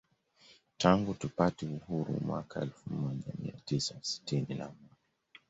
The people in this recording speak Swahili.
Tangu tupate uhuru mwaka elfu moja mia tisa sitini na moja